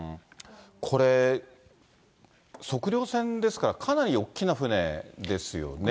これ、測量船ですから、かなり大きな船ですよね。